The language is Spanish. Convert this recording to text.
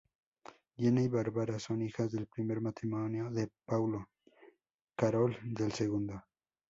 Diana y Bárbara son hijas del primer matrimonio de Paulo, Carol del segundo.